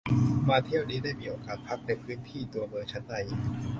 มาเที่ยวนี้ได้มีโอกาสพักในพื้นที่ตัวเมืองชั้นใน